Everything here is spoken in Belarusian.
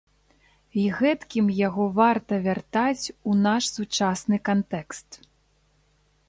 І гэткім яго варта вяртаць у наш сучасны кантэкст.